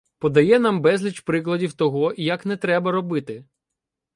подає нам безліч прикладів того, як не треба робити.